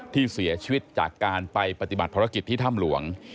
ที่เสียชีวิตจากการไปปฏิบัติภารกิจที่ถ้ำหลวง